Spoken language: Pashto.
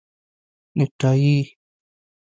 👔 نیکټایې